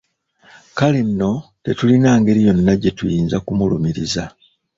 Kale nno tetulina ngeri yonna gye tuyinza kumulumiriza.